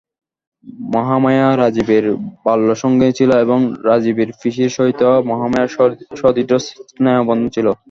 মহামায়া রাজীবের বাল্যসঙ্গিনী ছিল এবং রাজীবের পিসির সহিত মহামায়ার সুদৃঢ় স্নেহবন্ধন ছিল।